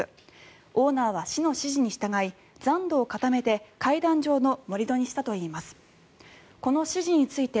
オーナーは市の指示に従い残土を固めて階段状の盛り土にしたといいます。